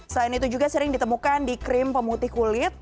selain itu juga sering ditemukan di krim pemutih kulit